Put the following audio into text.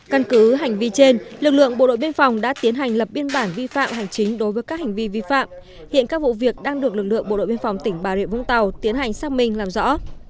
căn cứ hành vi trên lực lượng bộ đội biên phòng đã tiến hành lập biên bản vi phạm hành chính đối với các hành vi vi phạm hiện các vụ việc đang được lực lượng bộ đội biên phòng tỉnh bà rịa vũng tàu tiến hành xác minh làm rõ